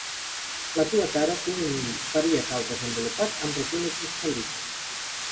La tuatara té un ull parietal desenvolupat, amb retina i cristal·lí.